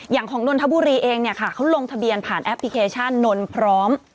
อย่างของนนทบุรีเองเนี่ยค่ะเขาลงทะเบียนผ่านแอปพลิเคชันนนพร้อม